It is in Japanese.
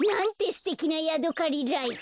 すてきなヤドカリライフ！